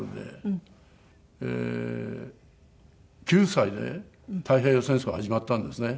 ９歳で太平洋戦争が始まったんですね。